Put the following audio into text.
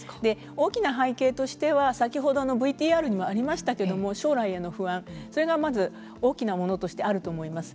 大きな背景としては先ほどのＶＴＲにもありましたけども将来への不安それがまず多きなものとしてあると思います。